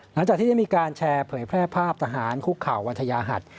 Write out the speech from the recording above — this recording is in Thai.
หลังจากที่ได้มีการแชร์เผยแพร่ภาพทหารคุกข่าววันทยาหัส